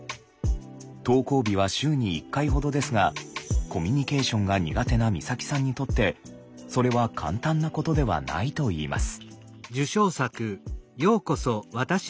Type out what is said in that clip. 登校日は週に１回ほどですがコミュニケーションが苦手な光沙季さんにとってそれは簡単なことではないといいます。